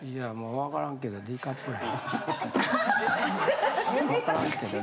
わからんけどＤカップぐらい？